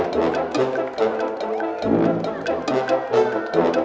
pengajian dimana ya